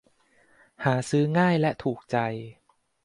หาซื้อง่ายและถูกใจ